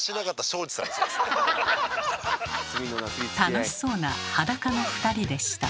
楽しそうな裸の２人でした。